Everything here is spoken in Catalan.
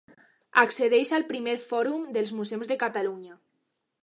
Accedeix al Primer Fòrum dels Museus de Catalunya.